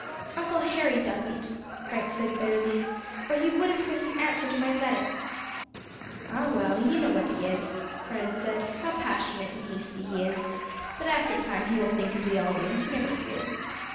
"Uncle Harry doesn't," Frank said bitterly, "or he would have sent an answer to my letter." "Ah! well, you know what he is," Fred said, "how passionate and hasty he is; but after a time he will think as we all do, never fear.